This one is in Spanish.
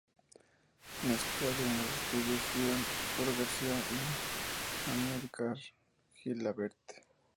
Mezclado en los estudios Ion por García y Amílcar Gilabert.